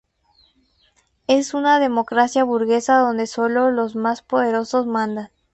Es una democracia burguesa donde sólo los más poderosos mandan.